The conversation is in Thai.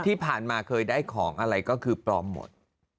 ที่ผ่านมาเคยได้ของอะไรก็คือปลอมหมด